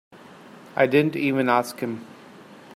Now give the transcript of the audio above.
I didn't even ask him.